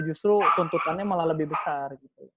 justru tuntutannya malah lebih besar gitu